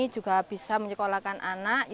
juga bisa menyekolahkan anak